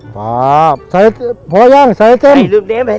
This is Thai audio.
พอเนี้ยใส่เจมส์